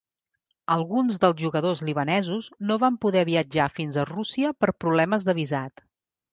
Alguns dels jugadors libanesos no van poder viatjar fins a Rússia per problemes de visat.